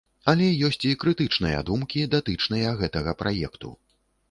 Але ёсць і крытычныя думкі, датычныя гэтага праекту.